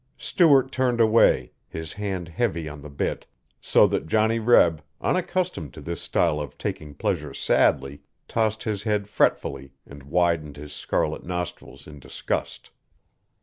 Stuart turned away, his hand heavy on the bit, so that Johnny Reb, unaccustomed to this style of taking pleasure sadly, tossed his head fretfully and widened his scarlet nostrils in disgust.